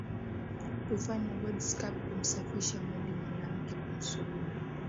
kufanya body scab kumsafisha mwili mwanamke kumsugua